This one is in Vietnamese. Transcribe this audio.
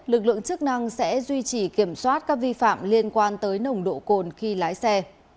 lực lượng chức năng sẽ duy trì kiểm soát các vi phạm liên quan tới nồng độ cồn khi lái xe